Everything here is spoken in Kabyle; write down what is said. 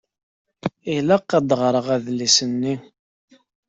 Ilaq ad ɣṛeɣ adlis-nni.